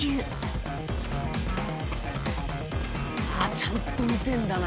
ちゃんと見てんだな。